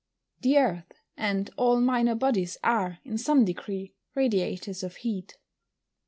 _ The earth, and all minor bodies, are, in some degree, radiators of heat.